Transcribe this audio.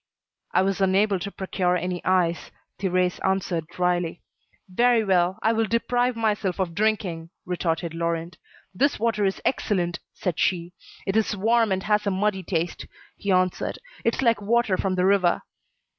"I was unable to procure any ice," Thérèse answered dryly. "Very well, I will deprive myself of drinking," retorted Laurent. "This water is excellent," said she. "It is warm, and has a muddy taste," he answered. "It's like water from the river."